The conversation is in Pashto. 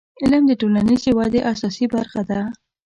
• علم د ټولنیزې ودې اساسي برخه ده.